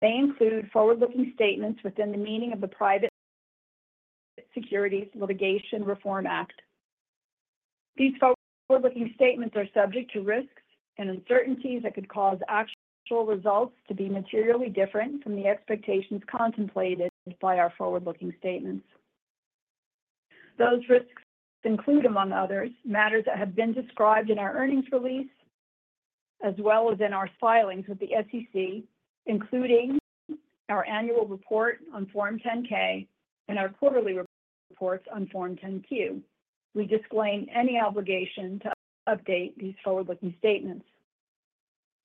They include forward-looking statements within the meaning of the Private Securities Litigation Reform Act. These forward-looking statements are subject to risks and uncertainties that could cause actual results to be materially different from the expectations contemplated by our forward-looking statements. Those risks include, among others, matters that have been described in our earnings release, as well as in our filings with the SEC, including our annual report on Form 10-K and our quarterly reports on Form 10-Q. We disclaim any obligation to update these forward-looking statements.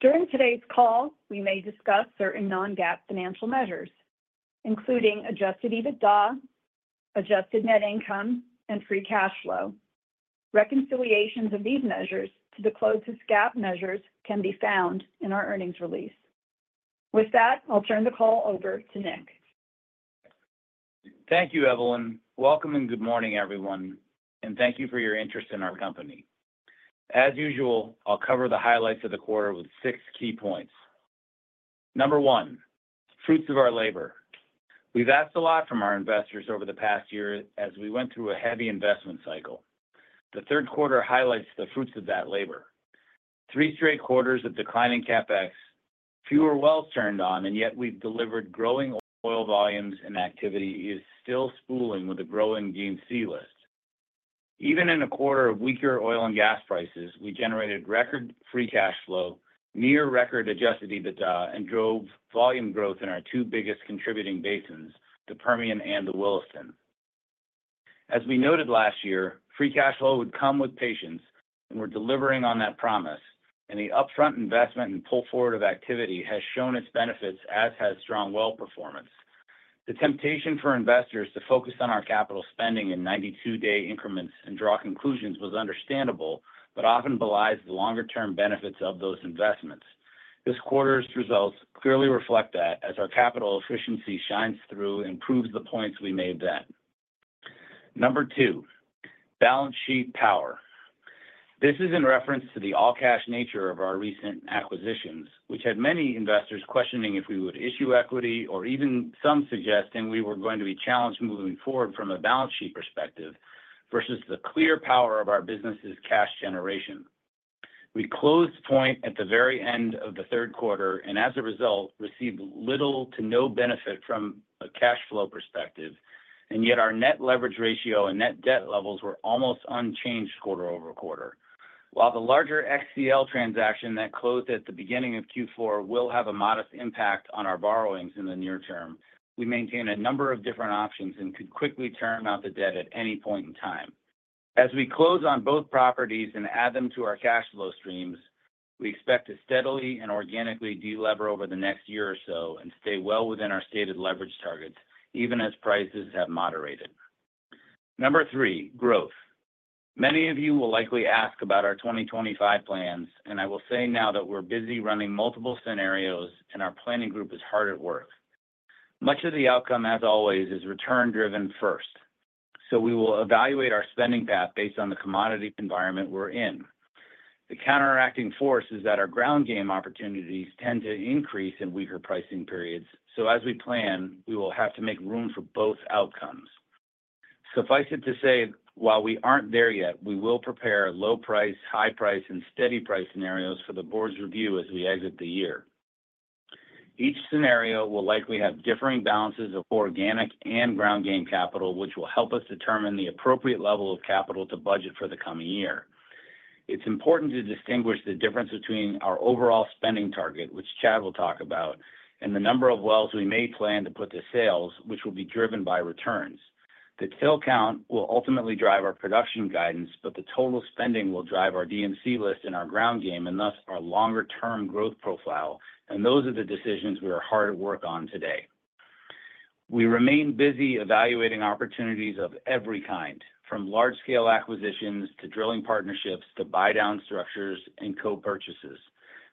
During today's call, we may discuss certain non-GAAP financial measures, including adjusted EBITDA, adjusted net income, and free cash flow. Reconciliations of these measures to the closest GAAP measures can be found in our earnings release. With that, I'll turn the call over to Nick. Thank you, Evelyn. Welcome and good morning, everyone, and thank you for your interest in our company. As usual, I'll cover the highlights of the quarter with six key points. Number one, fruits of our labor. We've asked a lot from our investors over the past year as we went through a heavy investment cycle. The third quarter highlights the fruits of that labor: three straight quarters of declining CapEx, fewer wells turned on, and yet we've delivered growing oil volumes, and activity is still spooling with a growing D&C list. Even in a quarter of weaker oil and gas prices, we generated record free cash flow, near-record adjusted EBITDA, and drove volume growth in our two biggest contributing basins, the Permian and the Williston. As we noted last year, free cash flow would come with patience, and we're delivering on that promise. Any upfront investment and pull forward of activity has shown its benefits, as has strong well performance. The temptation for investors to focus on our capital spending in 92-day increments and draw conclusions was understandable, but often belies the longer-term benefits of those investments. This quarter's results clearly reflect that, as our capital efficiency shines through and proves the points we made then. Number two, balance sheet power. This is in reference to the all-cash nature of our recent acquisitions, which had many investors questioning if we would issue equity or even some suggesting we were going to be challenged moving forward from a balance sheet perspective versus the clear power of our business's cash generation. We closed Point at the very end of the third quarter and, as a result, received little to no benefit from a cash flow perspective, and yet our net leverage ratio and net debt levels were almost unchanged quarter over quarter. While the larger XCL transaction that closed at the beginning of Q4 will have a modest impact on our borrowings in the near term, we maintain a number of different options and could quickly turn out the debt at any point in time. As we close on both properties and add them to our cash flow streams, we expect to steadily and organically delever over the next year or so and stay well within our stated leverage targets, even as prices have moderated. Number three, growth. Many of you will likely ask about our 2025 plans, and I will say now that we're busy running multiple scenarios, and our planning group is hard at work. Much of the outcome, as always, is return-driven first, so we will evaluate our spending path based on the commodity environment we're in. The counteracting force is that our ground game opportunities tend to increase in weaker pricing periods, so as we plan, we will have to make room for both outcomes. Suffice it to say, while we aren't there yet, we will prepare low-price, high-price, and steady price scenarios for the board's review as we exit the year. Each scenario will likely have differing balances of organic and ground game capital, which will help us determine the appropriate level of capital to budget for the coming year. It's important to distinguish the difference between our overall spending target, which Chad will talk about, and the number of wells we may plan to put to sales, which will be driven by returns. The TIL count will ultimately drive our production guidance, but the total spending will drive our D&C list and our ground game and thus our longer-term growth profile, and those are the decisions we are hard at work on today. We remain busy evaluating opportunities of every kind, from large-scale acquisitions to drilling partnerships to buy-down structures and co-purchases.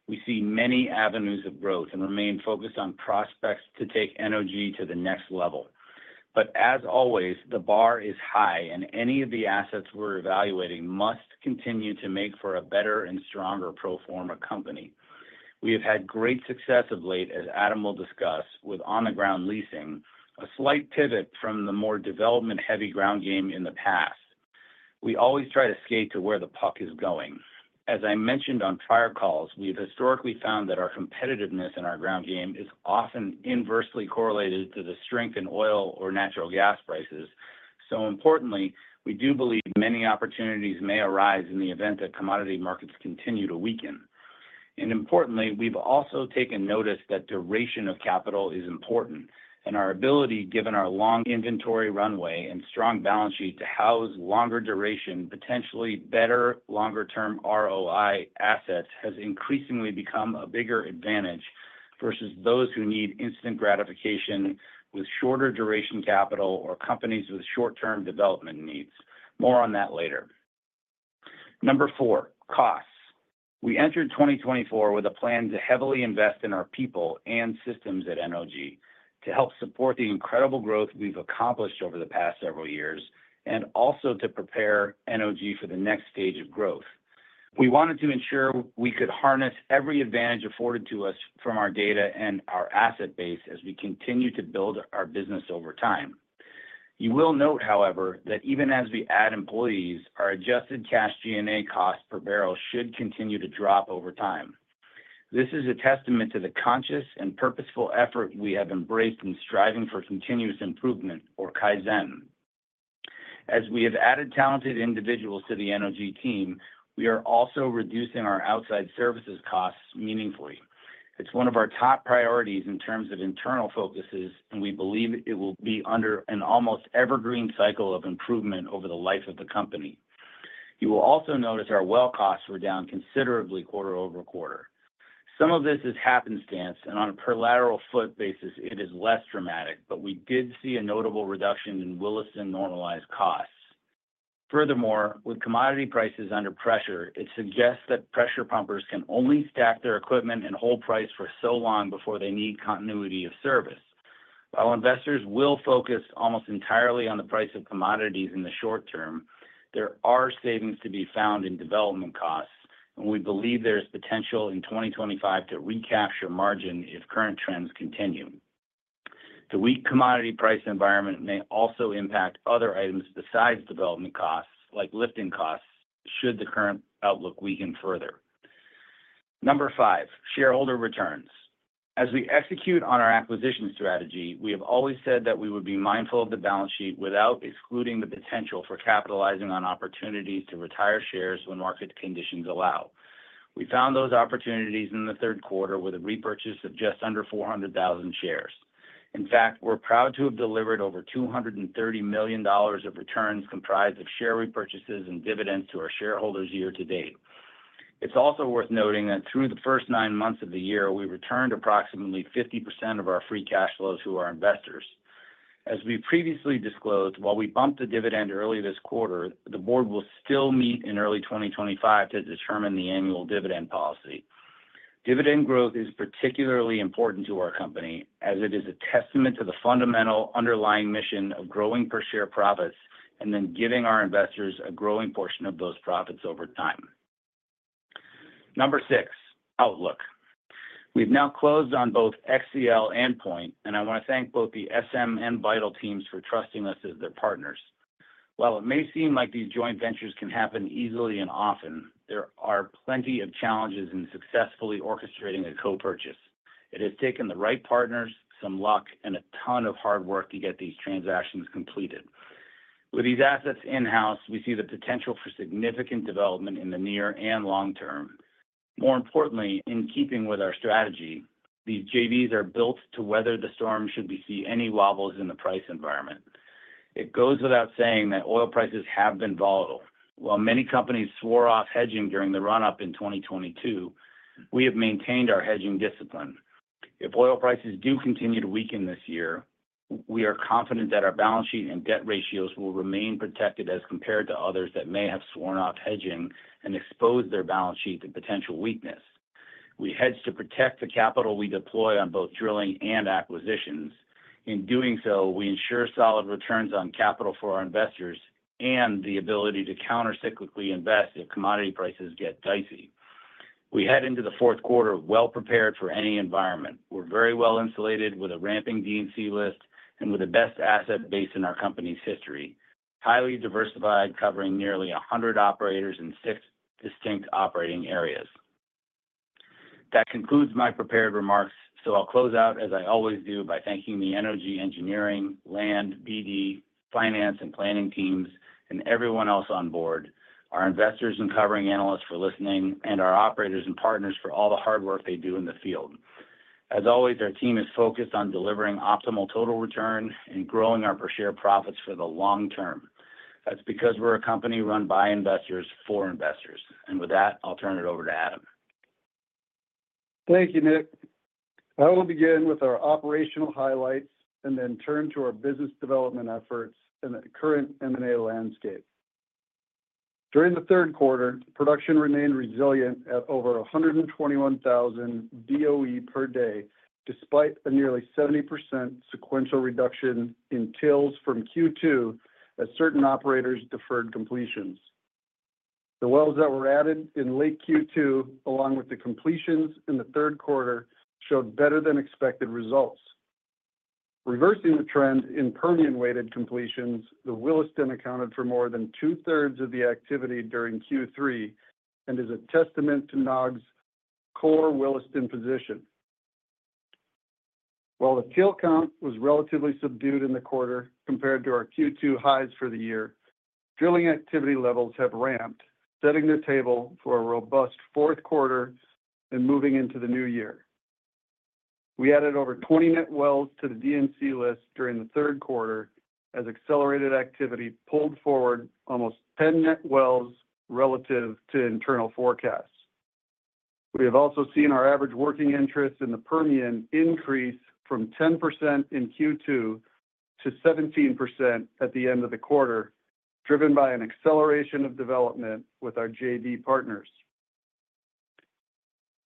We see many avenues of growth and remain focused on prospects to take NOG to the next level. But as always, the bar is high, and any of the assets we're evaluating must continue to make for a better and stronger pro forma company. We have had great success of late, as Adam will discuss, with on-the-ground leasing, a slight pivot from the more development-heavy ground game in the past. We always try to skate to where the puck is going. As I mentioned on prior calls, we have historically found that our competitiveness in our ground game is often inversely correlated to the strength in oil or natural gas prices. So importantly, we do believe many opportunities may arise in the event that commodity markets continue to weaken. And importantly, we've also taken notice that duration of capital is important, and our ability, given our long inventory runway and strong balance sheet, to house longer-duration, potentially better longer-term ROI assets has increasingly become a bigger advantage versus those who need instant gratification with shorter-duration capital or companies with short-term development needs. More on that later. Number four, costs. We entered 2024 with a plan to heavily invest in our people and systems at NOG to help support the incredible growth we've accomplished over the past several years and also to prepare NOG for the next stage of growth. We wanted to ensure we could harness every advantage afforded to us from our data and our asset base as we continue to build our business over time. You will note, however, that even as we add employees, our adjusted cash G&A cost per barrel should continue to drop over time. This is a testament to the conscious and purposeful effort we have embraced in striving for continuous improvement, or Kaizen. As we have added talented individuals to the NOG team, we are also reducing our outside services costs meaningfully. It's one of our top priorities in terms of internal focuses, and we believe it will be under an almost evergreen cycle of improvement over the life of the company. You will also notice our well costs were down considerably quarter over quarter. Some of this is happenstance, and on a per-lateral-foot basis, it is less dramatic, but we did see a notable reduction in Williston normalized costs. Furthermore, with commodity prices under pressure, it suggests that pressure pumpers can only stack their equipment and hold price for so long before they need continuity of service. While investors will focus almost entirely on the price of commodities in the short term, there are savings to be found in development costs, and we believe there is potential in 2025 to recapture margin if current trends continue. The weak commodity price environment may also impact other items besides development costs, like lifting costs, should the current outlook weaken further. Number five, shareholder returns. As we execute on our acquisition strategy, we have always said that we would be mindful of the balance sheet without excluding the potential for capitalizing on opportunities to retire shares when market conditions allow. We found those opportunities in the third quarter with a repurchase of just under 400,000 shares. In fact, we're proud to have delivered over $230 million of returns comprised of share repurchases and dividends to our shareholders year to date. It's also worth noting that through the first nine months of the year, we returned approximately 50% of our free cash flows to our investors. As we previously disclosed, while we bumped the dividend early this quarter, the board will still meet in early 2025 to determine the annual dividend policy. Dividend growth is particularly important to our company, as it is a testament to the fundamental underlying mission of growing per-share profits and then giving our investors a growing portion of those profits over time. Number six, outlook. We've now closed on both XCL and Point, and I want to thank both the SM and Vital teams for trusting us as their partners. While it may seem like these joint ventures can happen easily and often, there are plenty of challenges in successfully orchestrating a co-purchase. It has taken the right partners, some luck, and a ton of hard work to get these transactions completed. With these assets in-house, we see the potential for significant development in the near and long term. More importantly, in keeping with our strategy, these JVs are built to weather the storm should we see any wobbles in the price environment. It goes without saying that oil prices have been volatile. While many companies swore off hedging during the run-up in 2022, we have maintained our hedging discipline. If oil prices do continue to weaken this year, we are confident that our balance sheet and debt ratios will remain protected as compared to others that may have sworn off hedging and exposed their balance sheet to potential weakness. We hedge to protect the capital we deploy on both drilling and acquisitions. In doing so, we ensure solid returns on capital for our investors and the ability to countercyclically invest if commodity prices get dicey. We head into the fourth quarter well-prepared for any environment. We're very well-insulated with a ramping D&C list and with the best asset base in our company's history, highly diversified, covering nearly 100 operators in six distinct operating areas. That concludes my prepared remarks, so I'll close out, as I always do, by thanking the energy engineering, land, BD, finance, and planning teams, and everyone else on board, our investors and covering analysts for listening, and our operators and partners for all the hard work they do in the field. As always, our team is focused on delivering optimal total return and growing our per-share profits for the long term. That's because we're a company run by investors for investors. And with that, I'll turn it over to Adam. Thank you, Nick. I will begin with our operational highlights and then turn to our business development efforts in the current M&A landscape. During the third quarter, production remained resilient at over 121,000 BOE per day, despite a nearly 70% sequential reduction in TILs from Q2 as certain operators deferred completions. The wells that were added in late Q2, along with the completions in the third quarter, showed better-than-expected results. Reversing the trend in Permian-weighted completions, the Williston accounted for more than two-thirds of the activity during Q3 and is a testament to NOG's core Williston position. While the TIL count was relatively subdued in the quarter compared to our Q2 highs for the year, drilling activity levels have ramped, setting the table for a robust fourth quarter and moving into the new year. We added over 20 net wells to the D&C list during the third quarter as accelerated activity pulled forward almost 10 net wells relative to internal forecasts. We have also seen our average working interest in the Permian increase from 10% in Q2 to 17% at the end of the quarter, driven by an acceleration of development with our JV partners.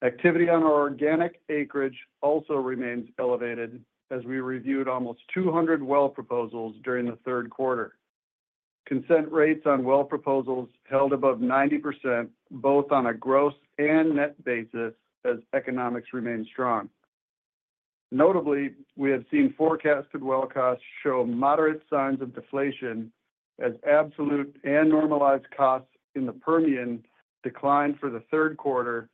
Activity on our organic acreage also remains elevated as we reviewed almost 200 well proposals during the third quarter. Consent rates on well proposals held above 90%, both on a gross and net basis, as economics remain strong. Notably, we have seen forecasted well costs show moderate signs of deflation as absolute and normalized costs in the Permian declined for the third quarter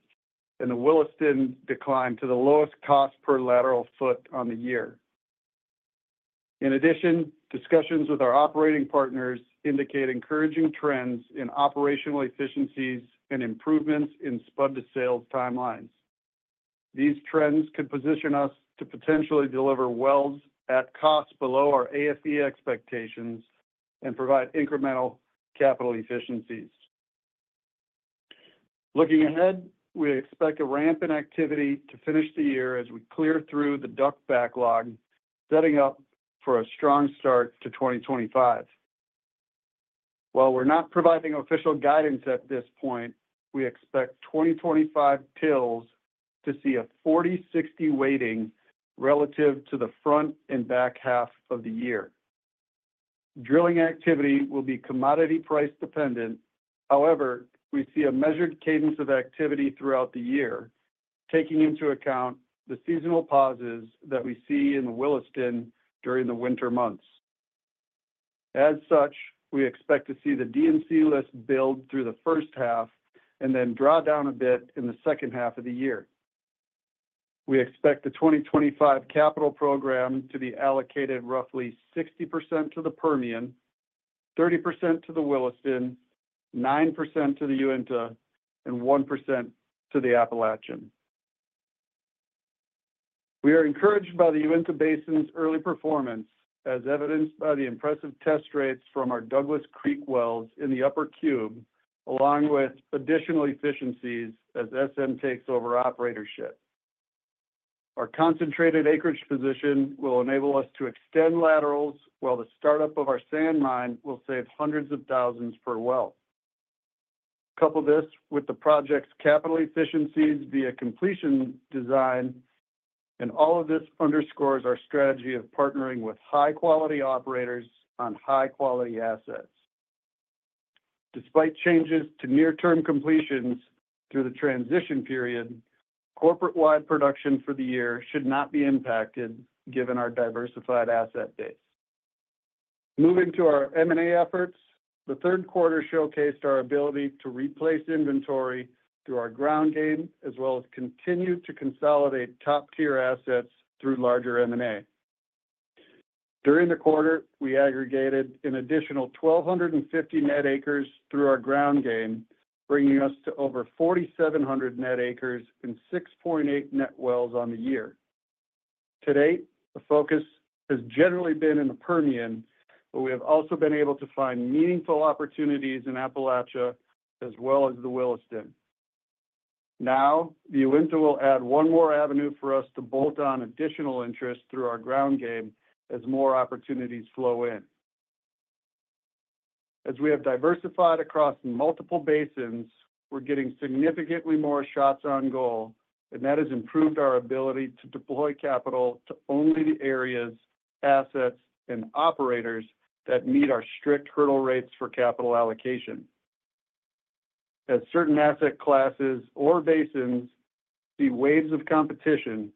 and the Williston declined to the lowest cost per lateral foot on the year. In addition, discussions with our operating partners indicate encouraging trends in operational efficiencies and improvements in spud-to-sales timelines. These trends could position us to potentially deliver wells at cost below our AFE expectations and provide incremental capital efficiencies. Looking ahead, we expect a ramp in activity to finish the year as we clear through the DUC backlog, setting up for a strong start to 2025. While we're not providing official guidance at this point, we expect 2025 TILs to see a 40/60 weighting relative to the front and back half of the year. Drilling activity will be commodity price dependent. However, we see a measured cadence of activity throughout the year, taking into account the seasonal pauses that we see in the Williston during the winter months. As such, we expect to see the D&C list build through the first half and then draw down a bit in the second half of the year. We expect the 2025 capital program to be allocated roughly 60% to the Permian, 30% to the Williston, 9% to the Uinta, and 1% to the Appalachian. We are encouraged by the Uinta Basin's early performance, as evidenced by the impressive test rates from our Douglas Creek wells in the Upper Cube, along with additional efficiencies as SM takes over operatorship. Our concentrated acreage position will enable us to extend laterals while the startup of our sand mine will save hundreds of thousands per well. Couple this with the project's capital efficiencies via completion design, and all of this underscores our strategy of partnering with high-quality operators on high-quality assets. Despite changes to near-term completions through the transition period, corporate-wide production for the year should not be impacted given our diversified asset base. Moving to our M&A efforts, the third quarter showcased our ability to replace inventory through our ground game as well as continue to consolidate top-tier assets through larger M&A. During the quarter, we aggregated an additional 1,250 net acres through our ground game, bringing us to over 4,700 net acres and 6.8 net wells on the year. To date, the focus has generally been in the Permian, but we have also been able to find meaningful opportunities in Appalachia as well as the Williston. Now, the Uinta will add one more avenue for us to bolt on additional interest through our ground game as more opportunities flow in. As we have diversified across multiple basins, we're getting significantly more shots on goal, and that has improved our ability to deploy capital to only the areas, assets, and operators that meet our strict hurdle rates for capital allocation. As certain asset classes or basins see waves of competition,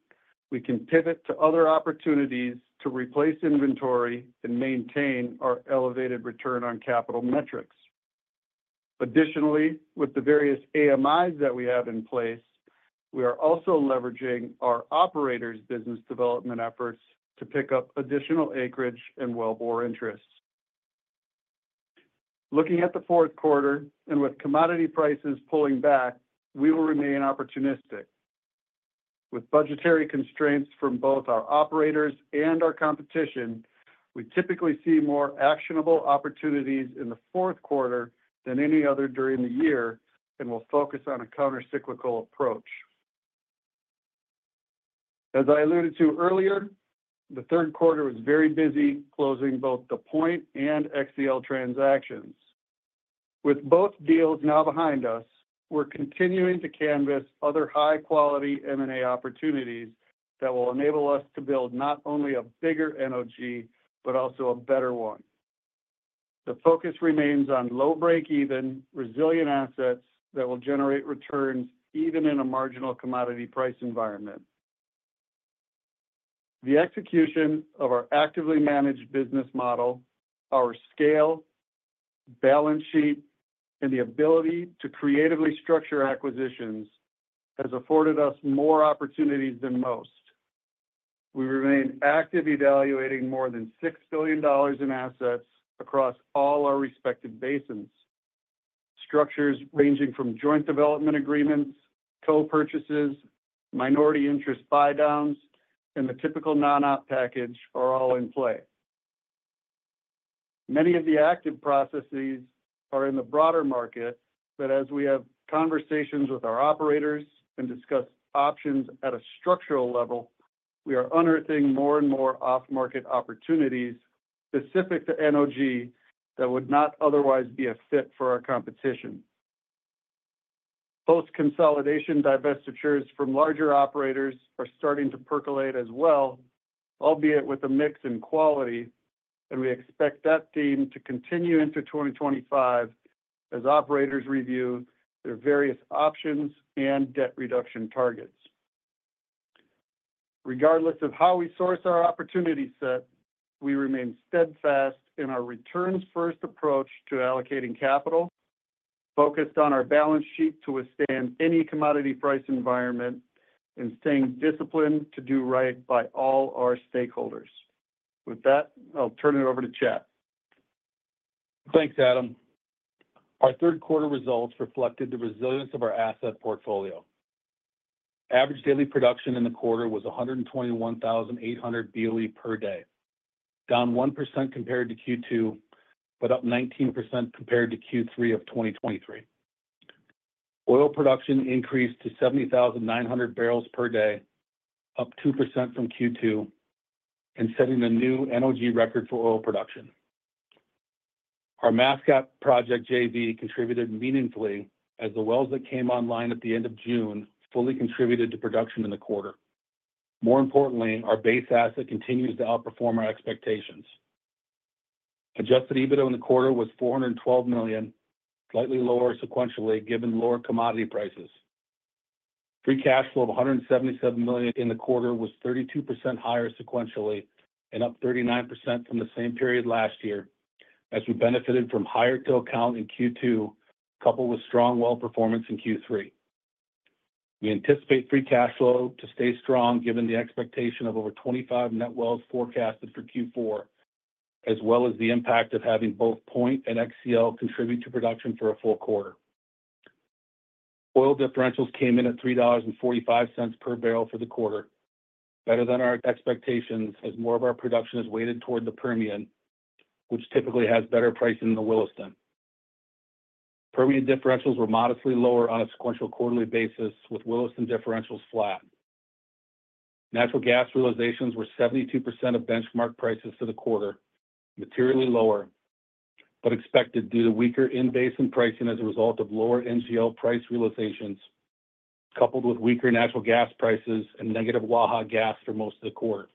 we can pivot to other opportunities to replace inventory and maintain our elevated return on capital metrics. Additionally, with the various AMIs that we have in place, we are also leveraging our operators' business development efforts to pick up additional acreage and wellbore interests. Looking at the fourth quarter, and with commodity prices pulling back, we will remain opportunistic. With budgetary constraints from both our operators and our competition, we typically see more actionable opportunities in the fourth quarter than any other during the year and will focus on a countercyclical approach. As I alluded to earlier, the third quarter was very busy closing both the Point and XCL transactions. With both deals now behind us, we're continuing to canvas other high-quality M&A opportunities that will enable us to build not only a bigger NOG, but also a better one. The focus remains on low-break-even, resilient assets that will generate returns even in a marginal commodity price environment. The execution of our actively managed business model, our scale, balance sheet, and the ability to creatively structure acquisitions has afforded us more opportunities than most. We remain active evaluating more than $6 billion in assets across all our respective basins. Structures ranging from joint development agreements, co-purchases, minority interest buy-downs, and the typical non-op package are all in play. Many of the active processes are in the broader market, but as we have conversations with our operators and discuss options at a structural level, we are unearthing more and more off-market opportunities specific to NOG that would not otherwise be a fit for our competition. Post-consolidation divestitures from larger operators are starting to percolate as well, albeit with a mix in quality, and we expect that theme to continue into 2025 as operators review their various options and debt reduction targets. Regardless of how we source our opportunity set, we remain steadfast in our returns-first approach to allocating capital, focused on our balance sheet to withstand any commodity price environment, and staying disciplined to do right by all our stakeholders. With that, I'll turn it over to Chad. Thanks, Adam. Our third quarter results reflected the resilience of our asset portfolio. Average daily production in the quarter was 121,800 BOE per day, down 1% compared to Q2, but up 19% compared to Q3 of 2023. Oil production increased to 70,900 barrels per day, up 2% from Q2, and setting a new NOG record for oil production. Our Mascot Project JV contributed meaningfully as the wells that came online at the end of June fully contributed to production in the quarter. More importantly, our base asset continues to outperform our expectations. Adjusted EBITDA in the quarter was $412 million, slightly lower sequentially given lower commodity prices. Free cash flow of $177 million in the quarter was 32% higher sequentially and up 39% from the same period last year as we benefited from higher TIL count in Q2, coupled with strong well performance in Q3. We anticipate free cash flow to stay strong given the expectation of over 25 net wells forecasted for Q4, as well as the impact of having both Point and XCL contribute to production for a full quarter. Oil differentials came in at $3.45 per barrel for the quarter, better than our expectations as more of our production is weighted toward the Permian, which typically has better pricing than the Williston. Permian differentials were modestly lower on a sequential quarterly basis, with Williston differentials flat. Natural gas realizations were 72% of benchmark prices for the quarter, materially lower, but expected due to weaker in-basin pricing as a result of lower NGL price realizations, coupled with weaker natural gas prices and negative Waha gas for most of the quarter.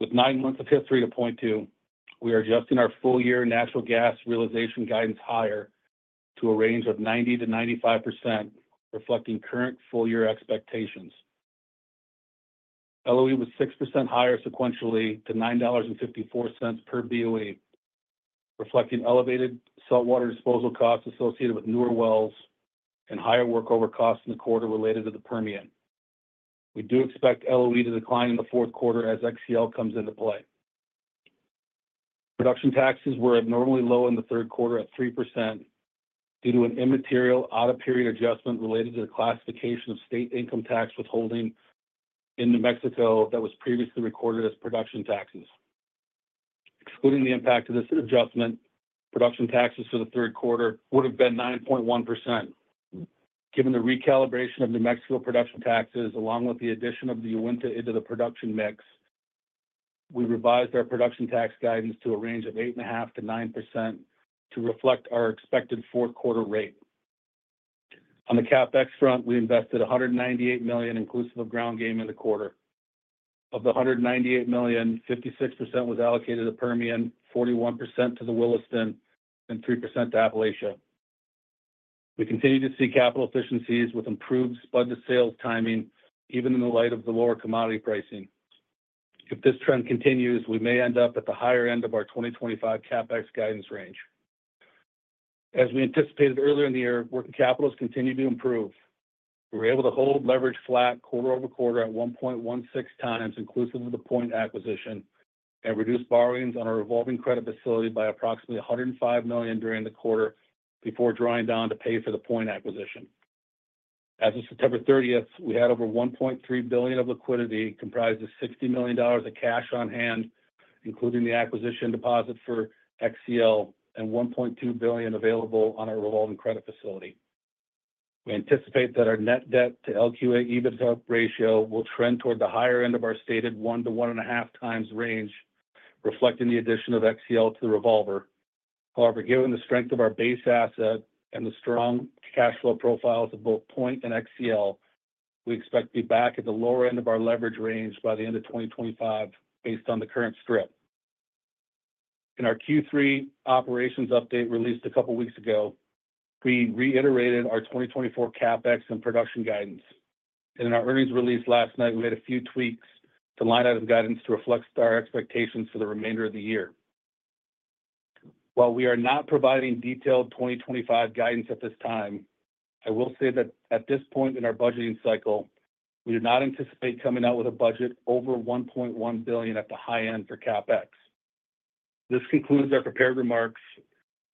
With nine months of history to point to, we are adjusting our full-year natural gas realization guidance higher to a range of 90%-95%, reflecting current full-year expectations. LOE was 6% higher sequentially to $9.54 per BOE, reflecting elevated saltwater disposal costs associated with newer wells and higher workover costs in the quarter related to the Permian. We do expect LOE to decline in the fourth quarter as XCL comes into play. Production taxes were abnormally low in the third quarter at 3% due to an immaterial out-of-period adjustment related to the classification of state income tax withholding in New Mexico that was previously recorded as production taxes. Excluding the impact of this adjustment, production taxes for the third quarter would have been 9.1%. Given the recalibration of New Mexico production taxes along with the addition of the Uinta into the production mix, we revised our production tax guidance to a range of 8.5%-9% to reflect our expected fourth quarter rate. On the CapEx front, we invested $198 million inclusive of ground game in the quarter. Of the $198 million, 56% was allocated to Permian, 41% to the Williston, and 3% to Appalachia. We continue to see capital efficiencies with improved spud-to-sales timing, even in the light of the lower commodity pricing. If this trend continues, we may end up at the higher end of our 2025 CapEx guidance range. As we anticipated earlier in the year, working capital has continued to improve. We were able to hold leverage flat quarter over quarter at 1.16 times inclusive of the Point acquisition and reduce borrowings on our revolving credit facility by approximately $105 million during the quarter before drawing down to pay for the Point acquisition. As of September 30th, we had over $1.3 billion of liquidity comprised of $60 million of cash on hand, including the acquisition deposit for XCL and $1.2 billion available on our revolving credit facility. We anticipate that our net debt to LQA EBITDA ratio will trend toward the higher end of our stated one to one and a half times range, reflecting the addition of XCL to the revolver. However, given the strength of our base asset and the strong cash flow profiles of both Point and XCL, we expect to be back at the lower end of our leverage range by the end of 2025 based on the current strip. In our Q3 operations update released a couple of weeks ago, we reiterated our 2024 CapEx and production guidance. And in our earnings released last night, we had a few tweaks to line item guidance to reflect our expectations for the remainder of the year. While we are not providing detailed 2025 guidance at this time, I will say that at this point in our budgeting cycle, we do not anticipate coming out with a budget over $1.1 billion at the high end for CapEx. This concludes our prepared remarks.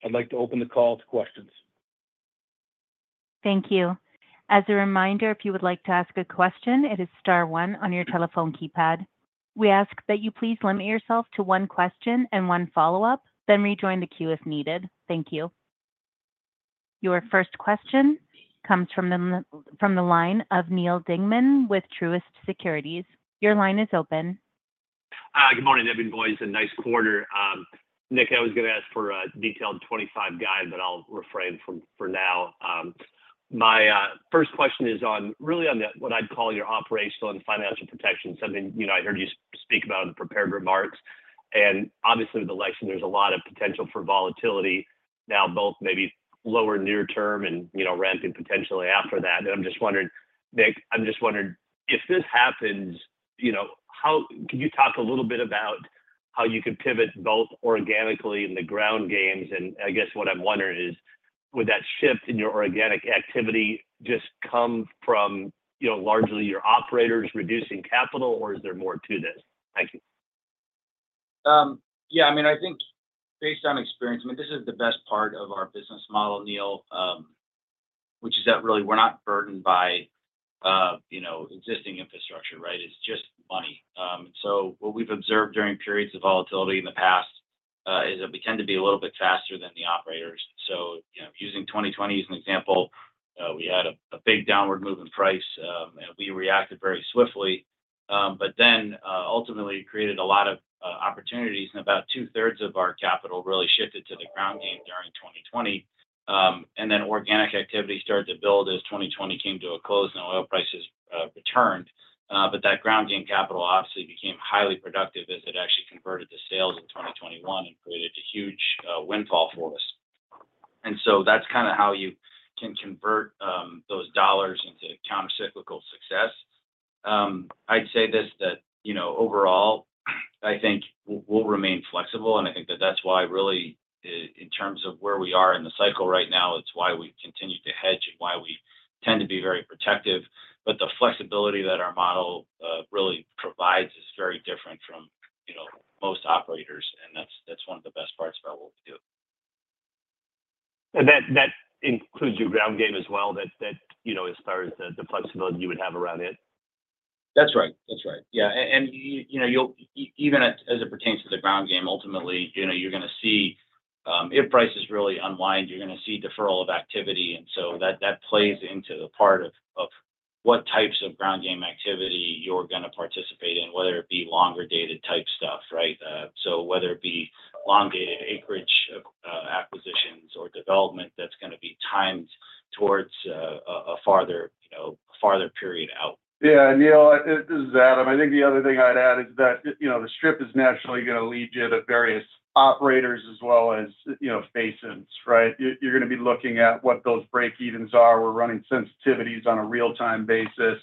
I'd like to open the call to questions. Thank you. As a reminder, if you would like to ask a question, it is star one on your telephone keypad. We ask that you please limit yourself to one question and one follow-up, then rejoin the queue if needed. Thank you. Your first question comes from the line of Neal Dingmann with Truist Securities. Your line is open. Good morning, everyone, and nice quarter. Nick, I was going to ask for a detailed 2025 guide, but I'll refrain for now. My first question is really on what I'd call your operational and financial protection, something I heard you speak about in the prepared remarks. And obviously, with the election, there's a lot of potential for volatility now, both maybe lower near-term and ramping potentially after that. And I'm just wondering, Nick, if this happens, could you talk a little bit about how you could pivot both organically in the ground game? And I guess what I'm wondering is, would that shift in your organic activity just come from largely your operators reducing capital, or is there more to this? Thank you. Yeah, I mean, I think based on experience, I mean, this is the best part of our business model, Neil, which is that really we're not burdened by existing infrastructure, right? It's just money. So what we've observed during periods of volatility in the past is that we tend to be a little bit faster than the operators. So using 2020 as an example, we had a big downward move in price, and we reacted very swiftly. But then ultimately created a lot of opportunities, and about two-thirds of our capital really shifted to the ground game during 2020. And then organic activity started to build as 2020 came to a close and oil prices returned. But that ground game capital obviously became highly productive as it actually converted to sales in 2021 and created a huge windfall for us. And so that's kind of how you can convert those dollars into countercyclical success. I'd say that overall, I think we'll remain flexible, and I think that that's why really in terms of where we are in the cycle right now, it's why we've continued to hedge and why we tend to be very protective. But the flexibility that our model really provides is very different from most operators, and that's one of the best parts about what we do. That includes your ground game as well, as far as the flexibility you would have around it? That's right. That's right. Yeah. And even as it pertains to the ground game, ultimately, you're going to see if prices really unwind, you're going to see deferral of activity. And so that plays into the part of what types of ground game activity you're going to participate in, whether it be longer-dated type stuff, right? So whether it be long-dated acreage acquisitions or development that's going to be timed towards a farther period out. Yeah. Neal, this is Adam. I think the other thing I'd add is that the strip is naturally going to lead you to various operators as well as basins, right? You're going to be looking at what those break-evens are. We're running sensitivities on a real-time basis,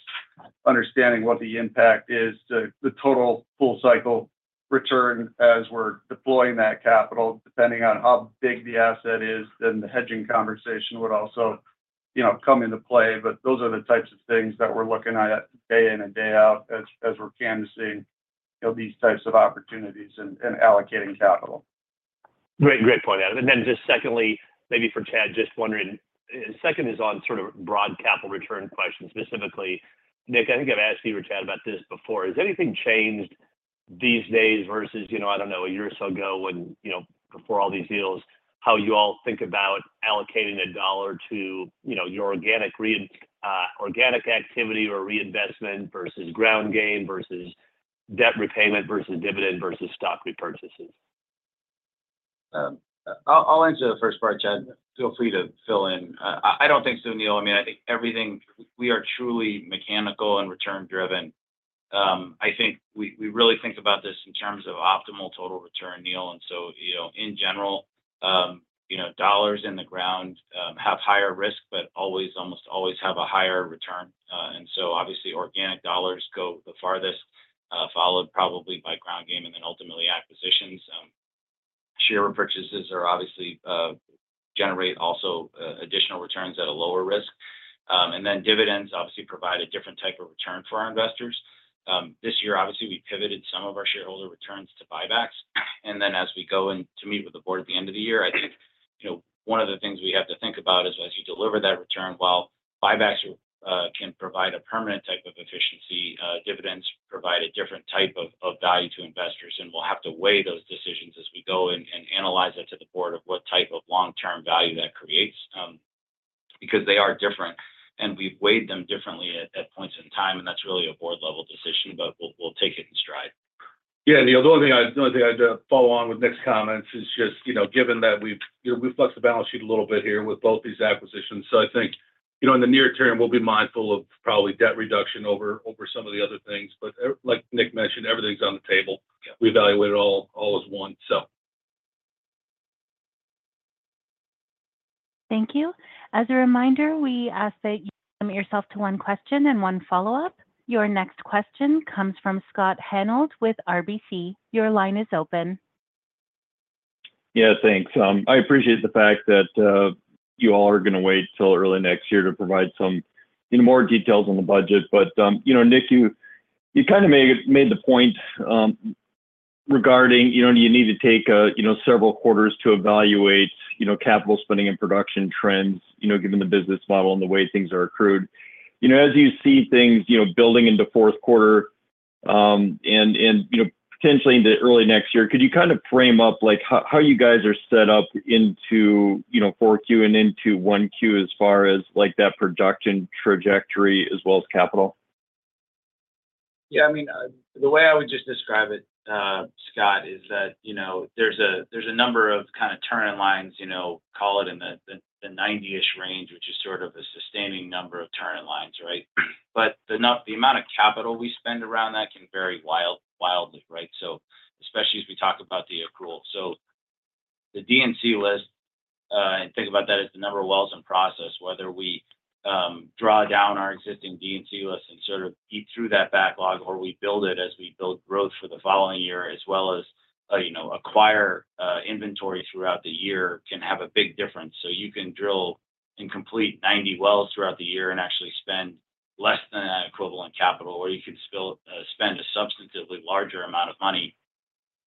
understanding what the impact is to the total full-cycle return as we're deploying that capital. Depending on how big the asset is, then the hedging conversation would also come into play. But those are the types of things that we're looking at day in and day out as we're canvassing these types of opportunities and allocating capital. Great point, Adam, and then just secondly, maybe for Chad, just wondering, second is on sort of broad capital return questions specifically. Nick, I think I've asked you or Chad about this before. Has anything changed these days versus, I don't know, a year or so ago when before all these deals, how you all think about allocating a dollar to your organic activity or reinvestment versus ground game versus debt repayment versus dividend versus stock repurchases? I'll answer the first part, Chad. Feel free to fill in. I don't think so, Neal. I mean, I think everything we are truly mechanical and return-driven. I think we really think about this in terms of optimal total return, Neal, and so in general, dollars in the ground have higher risk, but always, almost always have a higher return, and so obviously, organic dollars go the farthest, followed probably by ground game and then ultimately acquisitions. Share repurchases are obviously generate also additional returns at a lower risk, and then dividends obviously provide a different type of return for our investors. This year, obviously, we pivoted some of our shareholder returns to buybacks. Then as we go in to meet with the board at the end of the year, I think one of the things we have to think about is as you deliver that return, while buybacks can provide a permanent type of efficiency, dividends provide a different type of value to investors. We'll have to weigh those decisions as we go and analyze that to the board of what type of long-term value that creates because they are different. We've weighed them differently at points in time, and that's really a board-level decision, but we'll take it in stride. Yeah. Neal, the only thing I'd follow on with Nick's comments is just given that we've flexed the balance sheet a little bit here with both these acquisitions. So I think in the near term, we'll be mindful of probably debt reduction over some of the other things. But like Nick mentioned, everything's on the table. We evaluate it all as one, so. Thank you. As a reminder, we ask that you limit yourself to one question and one follow-up. Your next question comes from Scott Hanold with RBC. Your line is open. Yeah, thanks. I appreciate the fact that you all are going to wait till early next year to provide some more details on the budget. But Nick, you kind of made the point regarding you need to take several quarters to evaluate capital spending and production trends given the business model and the way things are accrued. As you see things building into fourth quarter and potentially into early next year, could you kind of frame up how you guys are set up into 4Q and into 1Q as far as that production trajectory as well as capital? Yeah. I mean, the way I would just describe it, Scott, is that there's a number of kind of turn-in lines, call it in the 90-ish range, which is sort of a sustaining number of turn-in lines, right? But the amount of capital we spend around that can vary wildly, right? So especially as we talk about the accrual. So the D&C list, and think about that as the number of wells in process, whether we draw down our existing D&C list and sort of eat through that backlog, or we build it as we build growth for the following year as well as acquire inventory throughout the year can have a big difference. So you can drill and complete 90 wells throughout the year and actually spend less than that equivalent capital, or you can spend a substantively larger amount of money.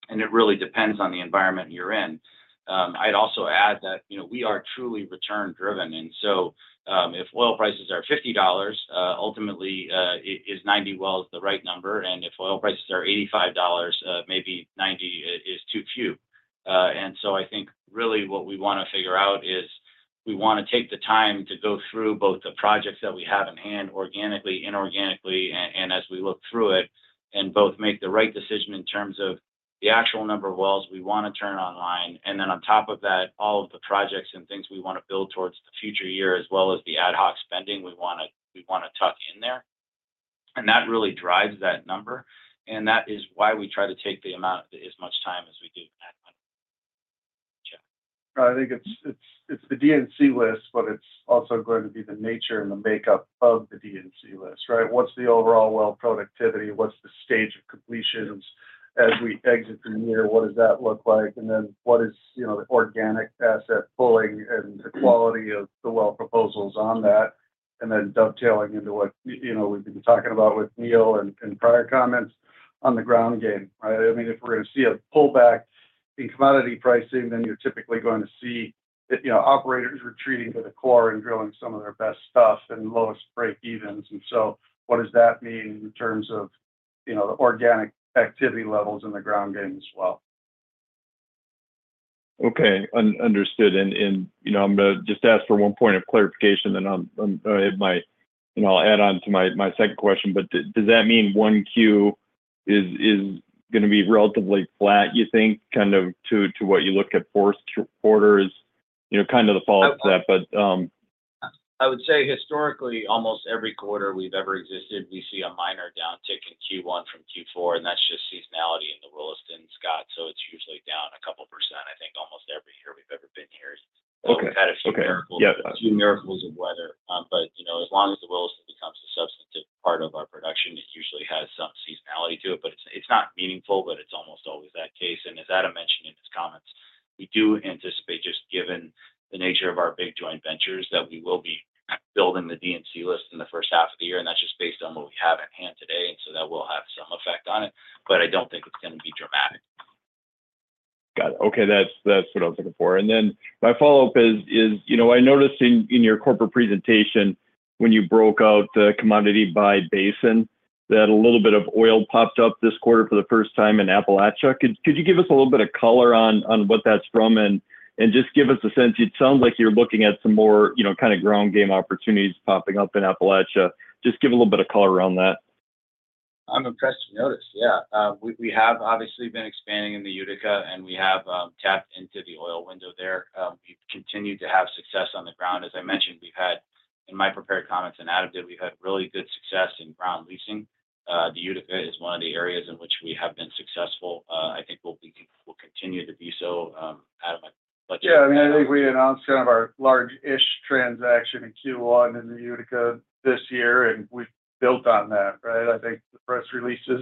And it really depends on the environment you're in. I'd also add that we are truly return-driven. And so if oil prices are $50, ultimately, is 90 wells the right number? And if oil prices are $85, maybe 90 is too few. And so I think really what we want to figure out is we want to take the time to go through both the projects that we have in hand organically, inorganically, and as we look through it and both make the right decision in terms of the actual number of wells we want to turn in line. And then on top of that, all of the projects and things we want to build towards the future year as well as the ad hoc spending we want to tuck in there. And that really drives that number. That is why we try to take as much time as we do. I think it's the D&C list, but it's also going to be the nature and the makeup of the D&C list, right? What's the overall well productivity? What's the stage of completions as we exit the year? What does that look like? And then what is the organic asset pulling and the quality of the well proposals on that? And then dovetailing into what we've been talking about with Neal and prior comments on the ground game, right? I mean, if we're going to see a pullback in commodity pricing, then you're typically going to see operators retreating to the core and drilling some of their best stuff and lowest break-evens. And so what does that mean in terms of the organic activity levels in the ground game as well? Okay. Understood. I'm going to just ask for one point of clarification, and I'll add on to my second question. Does that mean 1Q is going to be relatively flat, you think, kind of to what you look at fourth quarter is kind of the follow-up to that? I would say historically, almost every quarter we've ever existed, we see a minor downtick in Q1 from Q4, and that's just seasonality in the Williston, Scott, so it's usually down a couple percent, I think, almost every year we've ever been here. We've had a few miracles of weather, but as long as the Williston becomes a substantive part of our production, it usually has some seasonality to it, but it's not meaningful, but it's almost always that case, and as Adam mentioned in his comments, we do anticipate, just given the nature of our big joint ventures, that we will be building the D&C list in the first half of the year, and that's just based on what we have at hand today, and so that will have some effect on it, but I don't think it's going to be dramatic. Got it. Okay. That's what I was looking for. And then my follow-up is, I noticed in your corporate presentation when you broke out the commodity by basin, that a little bit of oil popped up this quarter for the first time in Appalachia. Could you give us a little bit of color on what that's from and just give us a sense? It sounds like you're looking at some more kind of Ground Game opportunities popping up in Appalachia. Just give a little bit of color around that. I'm impressed you noticed. Yeah. We have obviously been expanding in the Utica, and we have tapped into the oil window there. We've continued to have success on the ground. As I mentioned, we've had, in my prepared comments and Adam did, we've had really good success in ground leasing. The Utica is one of the areas in which we have been successful. I think we'll continue to be so, Adam. Yeah. I mean, I think we announced kind of our large-ish transaction in Q1 in the Utica this year, and we've built on that, right? I think the press release is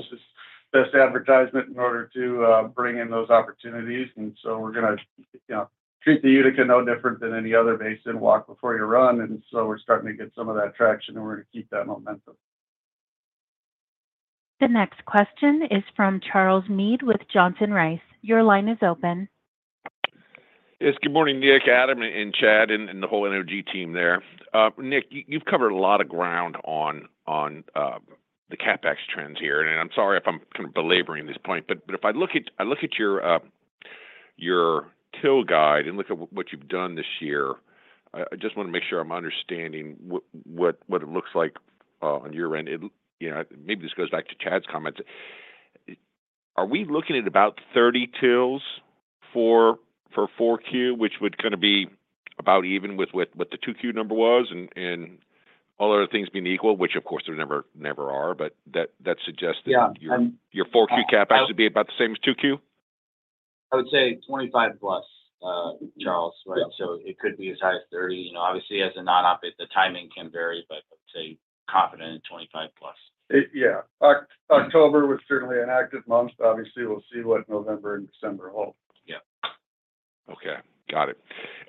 best advertisement in order to bring in those opportunities. We're going to treat the Utica no different than any other basin, walk before you run. We're starting to get some of that traction, and we're going to keep that momentum. The next question is from Charles Meade with Johnson Rice. Your line is open. Yes. Good morning, Nick, Adam, and Chad, and the whole energy team there. Nick, you've covered a lot of ground on the CapEx trends here. And I'm sorry if I'm kind of belaboring this point. But if I look at your TIL guide and look at what you've done this year, I just want to make sure I'm understanding what it looks like on your end. Maybe this goes back to Chad's comments. Are we looking at about 30 TILs for 4Q, which would kind of be about even with what the 2Q number was and all other things being equal, which of course they never are, but that suggests that your 4Q CapEx would be about the same as 2Q? I would say 25+, Charles, right? So it could be as high as 30. Obviously, as a non-op, the timing can vary, but I would say confident in 25+. Yeah. October was certainly an active month. Obviously, we'll see what November and December hold. Yeah. Okay. Got it.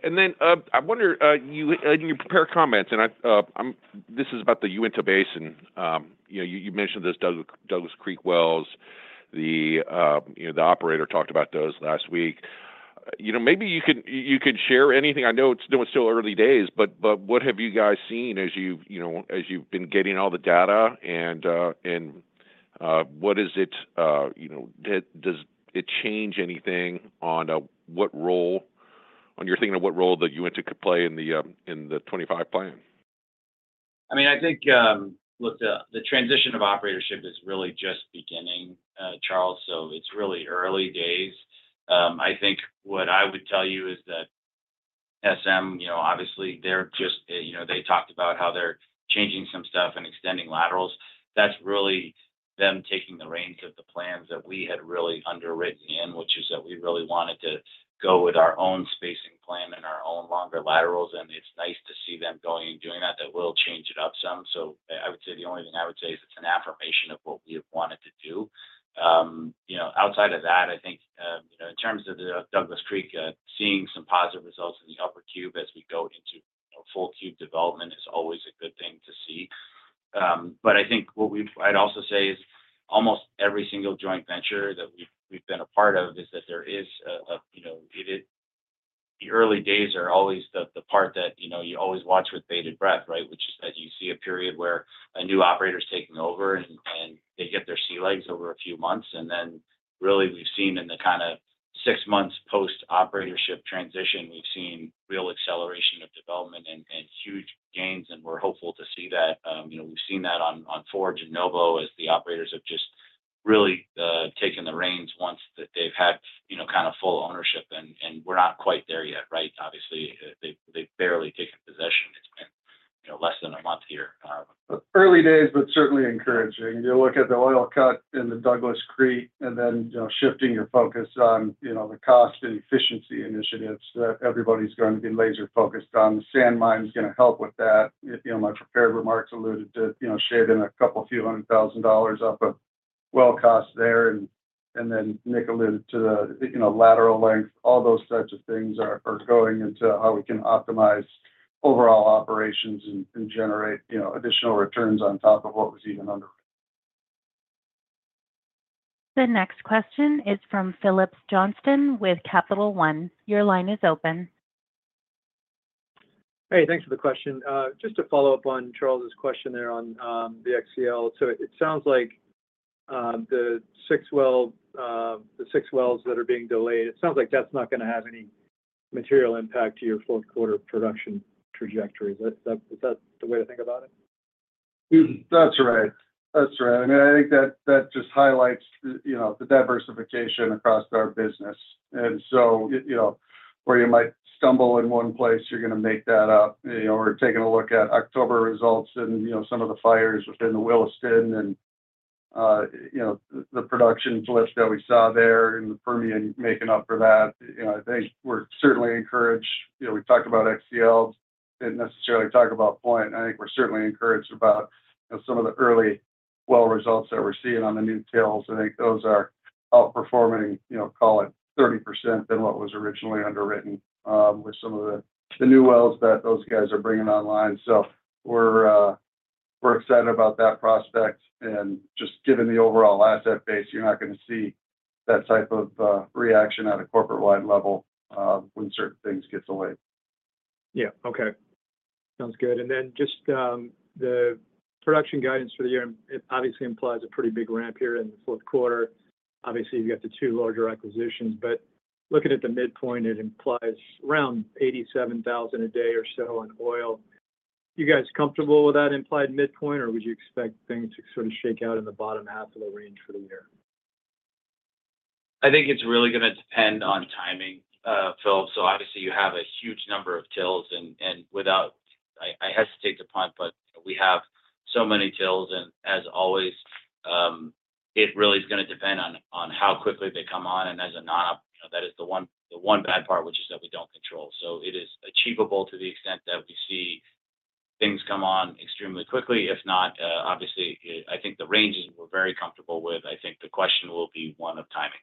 And then I wonder, in your prepared comments, and this is about the Uinta Basin, you mentioned those Douglas Creek wells. The operator talked about those last week. Maybe you could share anything. I know it's still early days, but what have you guys seen as you've been getting all the data? And what is it? Does it change anything on what role? You're thinking of what role that Uinta could play in the 2025 plan? I mean, I think the transition of operatorship is really just beginning, Charles. So it's really early days. I think what I would tell you is that SM, obviously, they're just, they talked about how they're changing some stuff and extending laterals. That's really them taking the reins of the plans that we had really underwritten in, which is that we really wanted to go with our own spacing plan and our own longer laterals. And it's nice to see them going and doing that. That will change it up some. So I would say the only thing I would say is it's an affirmation of what we have wanted to do. Outside of that, I think in terms of the Douglas Creek, seeing some positive results in the Upper Cube as we go into full cube development is always a good thing to see. But I think what I'd also say is almost every single joint venture that we've been a part of is that there is, the early days are always the part that you always watch with bated breath, right? Which is that you see a period where a new operator is taking over, and they get their sea legs over a few months. And then really we've seen in the kind of six months post-operatorship transition, we've seen real acceleration of development and huge gains. And we're hopeful to see that. We've seen that on Forge and Novo as the operators have just really taken the reins once that they've had kind of full ownership. And we're not quite there yet, right? Obviously, they've barely taken possession. It's been less than a month here. Early days, but certainly encouraging. You look at the oil cut in the Douglas Creek and then shifting your focus on the cost and efficiency initiatives that everybody's going to be laser-focused on. The sand mine is going to help with that. My prepared remarks alluded to shaving a couple of few hundred thousand dollars off of well cost there, and then Nick alluded to the lateral length. All those types of things are going into how we can optimize overall operations and generate additional returns on top of what was even underwritten. The next question is from Phillips Johnston with Capital One. Your line is open. Hey, thanks for the question. Just to follow up on Charles' question there on the XCL. So it sounds like the six wells that are being delayed, it sounds like that's not going to have any material impact to your fourth quarter production trajectory. Is that the way to think about it? That's right. That's right. I mean, I think that just highlights the diversification across our business. And so where you might stumble in one place, you're going to make that up. We're taking a look at October results and some of the fires within the Williston and the production flip that we saw there and the Permian making up for that. I think we're certainly encouraged. We talked about XCL, didn't necessarily talk about Point. I think we're certainly encouraged about some of the early well results that we're seeing on the new TILs. I think those are outperforming, call it 30% than what was originally underwritten with some of the new wells that those guys are bringing online. So we're excited about that prospect. And just given the overall asset base, you're not going to see that type of reaction at a corporate-wide level when certain things get delayed. Yeah. Okay. Sounds good. And then just the production guidance for the year, it obviously implies a pretty big ramp here in the fourth quarter. Obviously, you've got the two larger acquisitions. But looking at the midpoint, it implies around 87,000 a day or so on oil. You guys comfortable with that implied midpoint, or would you expect things to sort of shake out in the bottom half of the range for the year? I think it's really going to depend on timing, Phil. So obviously, you have a huge number of TILs. And I hesitate to punt, but we have so many TILs. And as always, it really is going to depend on how quickly they come on. And as a non-op, that is the one bad part, which is that we don't control. So it is achievable to the extent that we see things come on extremely quickly. If not, obviously, I think the ranges we're very comfortable with. I think the question will be one of timing.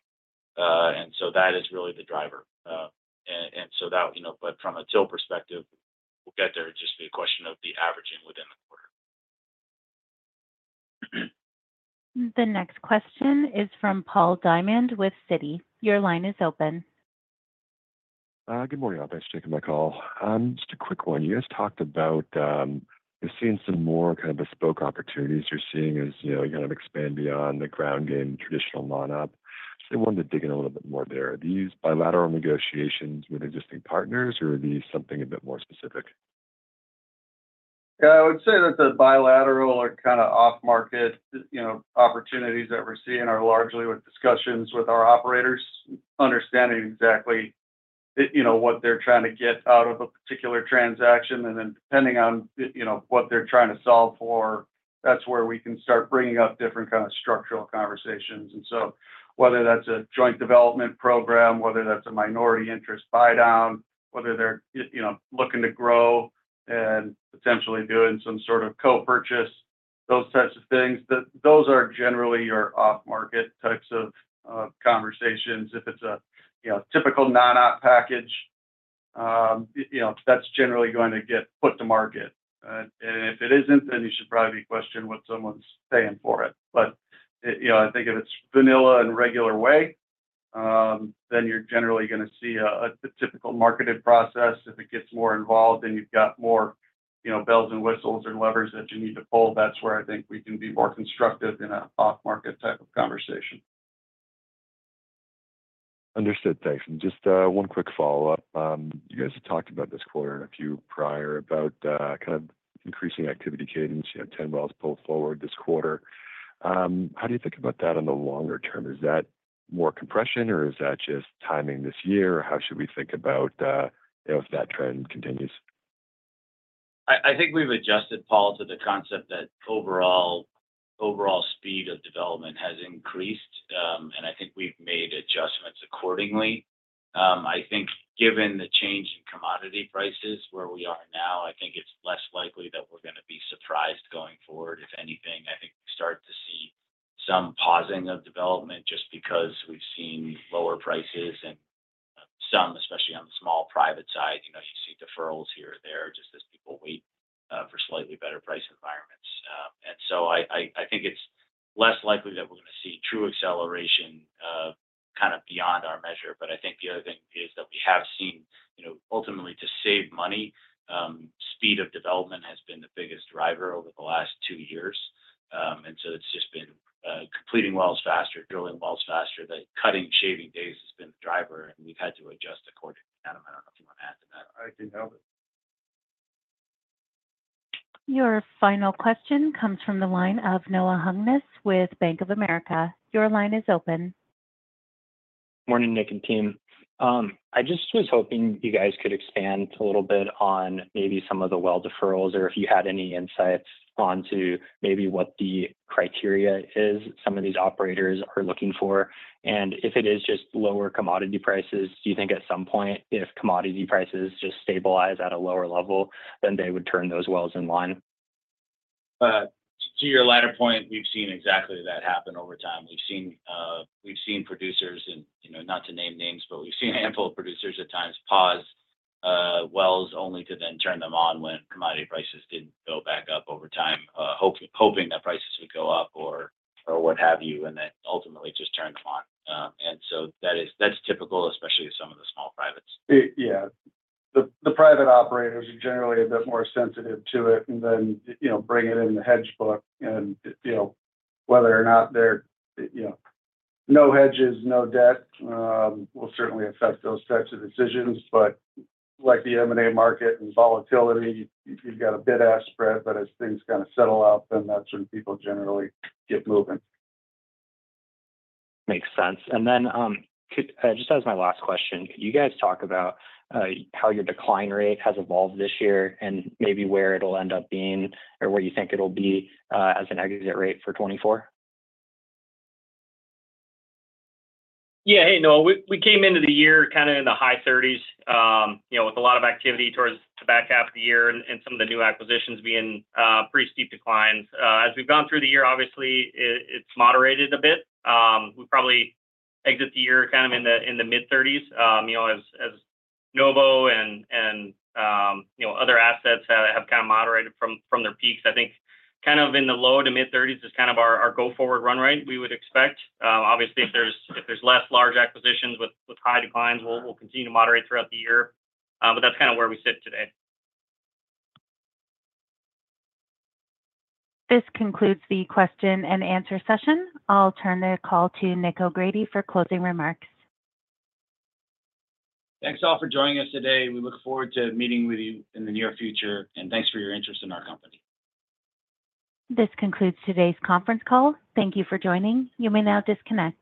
And so that is really the driver. And so that, but from a TIL perspective, we'll get there. It just be a question of the averaging within the quarter. The next question is from Paul Diamond with Citi. Your line is open. Good morning, Adam. Thanks for taking my call. Just a quick one. You guys talked about seeing some more kind of bespoke opportunities you're seeing as you kind of expand beyond the Ground Game traditional non-op. So I wanted to dig in a little bit more there. Are these bilateral negotiations with existing partners, or are these something a bit more specific? I would say that the bilateral or kind of off-market opportunities that we're seeing are largely with discussions with our operators, understanding exactly what they're trying to get out of a particular transaction. And then depending on what they're trying to solve for, that's where we can start bringing up different kind of structural conversations. And so whether that's a joint development program, whether that's a minority interest buy-down, whether they're looking to grow and potentially doing some sort of co-purchase, those types of things, those are generally your off-market types of conversations. If it's a typical non-op package, that's generally going to get put to market. And if it isn't, then you should probably be questioned what someone's paying for it. But I think if it's vanilla and regular way, then you're generally going to see a typical marketed process. If it gets more involved and you've got more bells and whistles and levers that you need to pull, that's where I think we can be more constructive in an off-market type of conversation. Understood. Thanks. And just one quick follow-up. You guys had talked about this quarter and a few prior about kind of increasing activity cadence, 10 wells pulled forward this quarter. How do you think about that in the longer term? Is that more compression, or is that just timing this year? How should we think about if that trend continues? I think we've adjusted, Paul, to the concept that overall speed of development has increased, and I think we've made adjustments accordingly. I think given the change in commodity prices where we are now, I think it's less likely that we're going to be surprised going forward. If anything, I think we start to see some pausing of development just because we've seen lower prices and some, especially on the small private side, you see deferrals here or there just as people wait for slightly better price environments, and so I think it's less likely that we're going to see true acceleration kind of beyond our measure, but I think the other thing is that we have seen, ultimately, to save money, speed of development has been the biggest driver over the last two years, and so it's just been completing wells faster, drilling wells faster. The cutting and shaving days has been the driver, and we've had to adjust accordingly. Adam, I don't know if you want to add to that. I can help it. Your final question comes from the line of Noah Hungness with Bank of America. Your line is open. Morning, Nick and team. I just was hoping you guys could expand a little bit on maybe some of the well deferrals or if you had any insights onto maybe what the criteria is some of these operators are looking for, and if it is just lower commodity prices, do you think at some point, if commodity prices just stabilize at a lower level, then they would turn those wells online? To your latter point, we've seen exactly that happen over time. We've seen producers, and not to name names, but we've seen a handful of producers at times pause wells only to then turn them on when commodity prices didn't go back up over time, hoping that prices would go up or what have you, and then ultimately just turn them on. And so that's typical, especially with some of the small privates. Yeah. The private operators are generally a bit more sensitive to it and then bring it in the hedge book. And whether or not they have no hedges, no debt will certainly affect those types of decisions. But like the M&A market and volatility, you've got a bid-ask spread. But as things kind of settle out, then that's when people generally get moving. Makes sense. And then just as my last question, could you guys talk about how your decline rate has evolved this year and maybe where it'll end up being or where you think it'll be as an exit rate for 2024? Yeah. Hey, Noah, we came into the year kind of in the high 30s with a lot of activity towards the back half of the year and some of the new acquisitions being pretty steep declines. As we've gone through the year, obviously, it's moderated a bit. We probably exit the year kind of in the mid-30s as Novo and other assets have kind of moderated from their peaks. I think kind of in the low to mid-30s is kind of our go-forward run rate we would expect. Obviously, if there's less large acquisitions with high declines, we'll continue to moderate throughout the year. But that's kind of where we sit today. This concludes the question and answer session. I'll turn the call to Nick O'Grady for closing remarks. Thanks all for joining us today. We look forward to meeting with you in the near future, and thanks for your interest in our company. This concludes today's conference call. Thank you for joining. You may now disconnect.